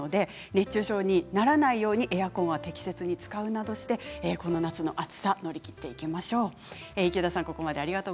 熱中症にならないようにエアコンは適切に使うなどしてこの夏の暑さを乗り切っていきましょう。